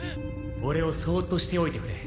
オレをそっとしておいてくれ。